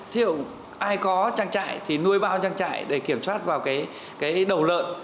thí dụ ai có trang trại thì nuôi bao trang trại để kiểm soát vào cái đầu lợn